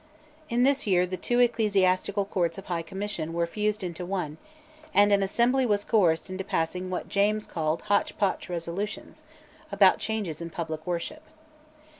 In this year the two ecclesiastical Courts of High Commission were fused into one, and an Assembly was coerced into passing what James called "Hotch potch resolutions" about changes in public worship.